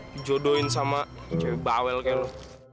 dijodohin sama cewek bawel kayak lo